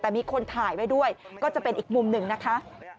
แต่มีคนถ่ายไว้ด้วยก็จะเป็นอีกมุมหนึ่งนะคะ